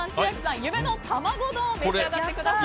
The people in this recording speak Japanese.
夢の卵丼を召し上がってください。